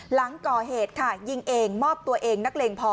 หลังก่อเหตุค่ะยิงเองมอบตัวเองนักเลงพอ